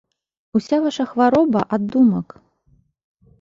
Уся ваша хвароба ад думак.